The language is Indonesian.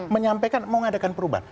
menyampaikan mau mengadakan perubahan